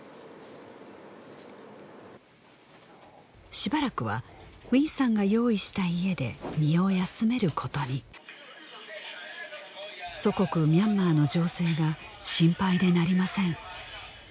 しばらくはウィンさんが用意した家で身を休めることに祖国ミャンマーの情勢が心配でなりません